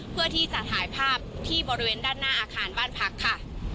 เพื่อที่จะถ่ายภาพที่บริเวณด้านหน้าอาคารบ้านพักค่ะ